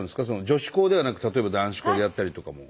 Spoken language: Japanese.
女子校ではなく例えば男子校でやったりとかも。